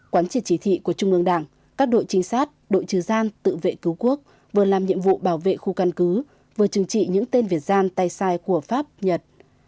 quán triệt chỉ thị của trung ương đảng các đội trinh sát đội trừ gian tự vệ cứu quốc vừa làm nhiệm vụ bảo vệ khu căn cứ vừa chừng trị những tên việt gian tay sai của pháp nhật